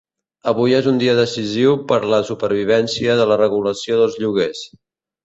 Avui és un dia decisiu per la supervivència de la regulació dels lloguers.